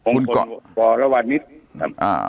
มงคลวรวรวรณิสต์ครับ